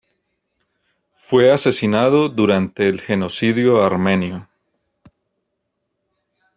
Fue asesinado durante el genocidio armenio.